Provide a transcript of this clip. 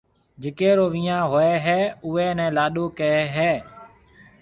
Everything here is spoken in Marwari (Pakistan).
جيڪيَ رو ويهان هوئي هيَ اوئي نَي لاڏو ڪهيَ هيَ۔